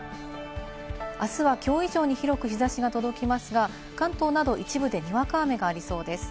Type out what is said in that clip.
あすはきょう以上に広く日差しが届きますが、関東など一部でにわか雨がありそうです。